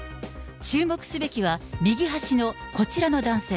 注目すべきは、右端のこちらの男性。